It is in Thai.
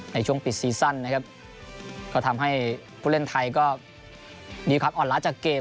ในช่วงปิดซีซั่นนะครับก็ทำให้ผู้เล่นไทยก็มีความอ่อนล้าจากเกม